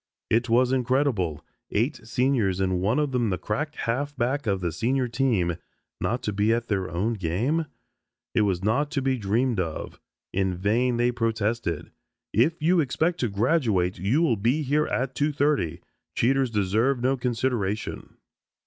It was incredible. Eight seniors and one of them the crack halfback of the senior team, not to be at their own game. It was not to be dreamed of. In vain they protested. "If you expect to graduate, you will be here at 2.30. Cheaters deserve no consideration."